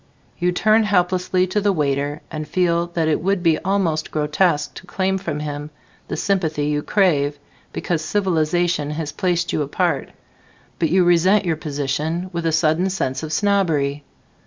You turn helplessly to the waiter and feel that it would be almost grotesque to claim from him the sympathy you crave because civilization has placed you apart, but you resent your position with a sudden sense of snobbery.